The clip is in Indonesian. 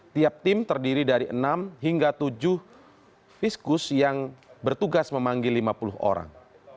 tiap tim terdiri dari enam hingga tujuh fiskus yang bertugas memanggil lima puluh orang